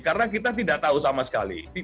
karena kita tidak tahu sama sekali